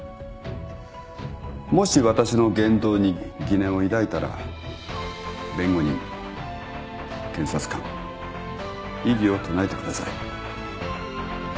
もし私の言動に疑念を抱いたら弁護人検察官異議を唱えてください。